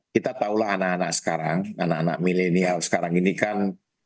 kita tahulah anak anak sekarang anak anak milenial sekarang ini kan